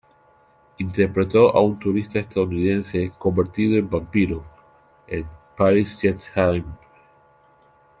Interpretó a un turista estadounidense convertido en vampiro, en "Paris, je t'aime".